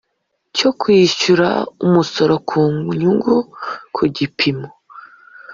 cyo kwishyura umusoro ku nyungu ku gipimo